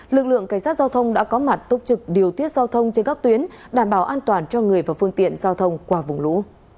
lực lượng cảnh sát giao thông đã có mặt túc trực điều tiết giao thông trên các tuyến đảm bảo an toàn cho người và phương tiện giao thông qua vùng lũ